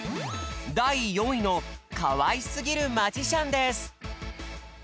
だい４位の「かわいすぎるマジシャン」です。